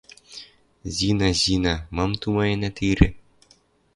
Зина, Зина, мам тумает ирӹ?